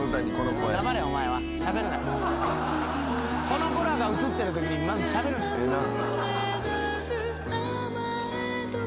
この子らが映ってるときにまずしゃべるな。